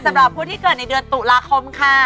สำหรับผู้ที่เกิดในเดือนตุลาคมค่ะ